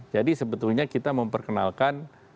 jadi sebetulnya kita memperkenalkan